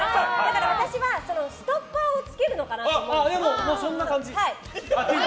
私は、ストッパーを付けるのかなと思った。